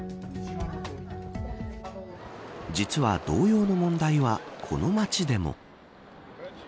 実は、同様の問題はこの街でも。